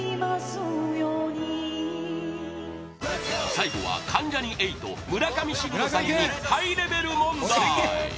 最後は関ジャニ∞村上信五さんにハイレベル問題